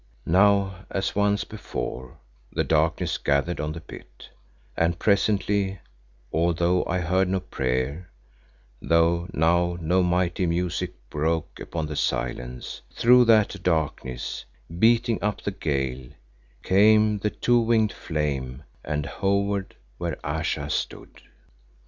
Now as once before the darkness gathered on the pit, and presently, although I heard no prayer, though now no mighty music broke upon the silence, through that darkness, beating up the gale, came the two winged flame and hovered where Ayesha stood.